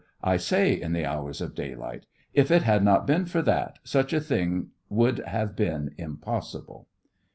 I say in the hours of daylight; if it "had not been for that such a thing would have been impossible.